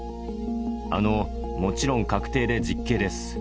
あの、もちろん確定で実刑です。